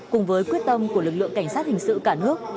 cùng với quyết tâm của lực lượng cảnh sát hình sự cả nước